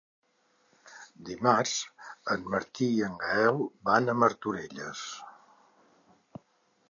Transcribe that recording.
Dimarts en Martí i en Gaël van a Martorelles.